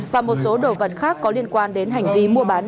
và một số đồ vật khác có liên quan đến hành vi mua bán